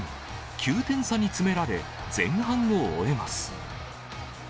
９点差に詰められ、前半を終えます。